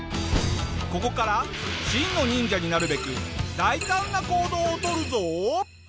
ここから真の忍者になるべく大胆な行動をとるぞ！